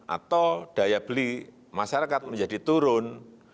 atau daya beli masyarakat menjadi turun